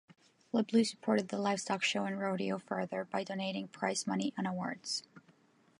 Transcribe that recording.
LeBleu supported the livestock show and rodeo further by donating prize money and awards.